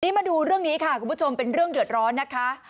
มาดูเรื่องนี้ค่ะคุณผู้ชมเป็นเรื่องเดือดร้อนนะคะ